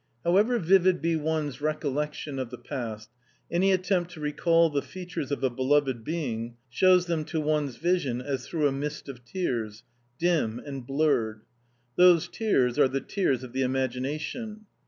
However vivid be one's recollection of the past, any attempt to recall the features of a beloved being shows them to one's vision as through a mist of tears dim and blurred. Those tears are the tears of the imagination.